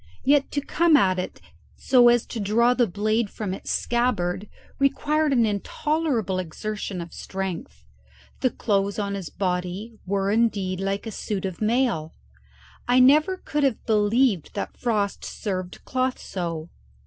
Yet to come at it so as to draw the blade from its scabbard required an intolerable exertion of strength. The clothes on this body were indeed like a suit of mail. I never could have believed that frost served cloth so.